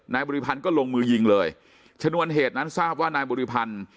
บริพันธ์ก็ลงมือยิงเลยชนวนเหตุนั้นทราบว่านายบริพันธ์